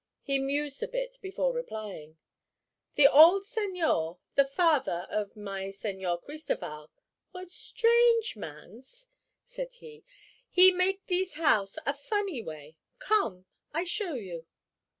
He mused a bit before replying. "The old señor—the father of my Señor Cristoval—was strange mans," said he. "He make thees house a funny way. Come; I show you."